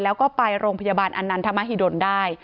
แล้วก็ไปโรงพยาบาลอนันทมหิดลได้